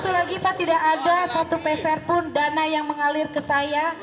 satu lagi pak tidak ada satu peser pun dana yang mengalir ke saya